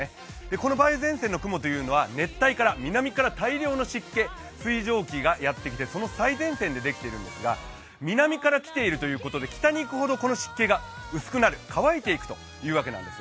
この梅雨前線の雲というのは熱帯から、南から大量の湿気水蒸気がやってきてその最前線でできているんですが、南から来ているということで、北に行くほどこの湿気が薄くなる、乾いていくということです。